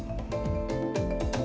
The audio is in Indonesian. masukkan adonan tepung